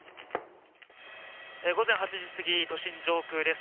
午前８時過ぎ都心上空です。